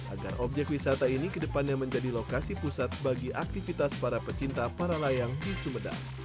agar objek wisata ini kedepannya menjadi lokasi pusat bagi aktivitas para pecinta para layang di sumedang